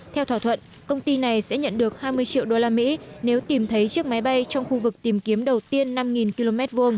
theo thỏa thuận công ty này sẽ nhận được hai mươi triệu đô la mỹ nếu tìm thấy chiếc máy bay trong khu vực tìm kiếm đầu tiên năm km hai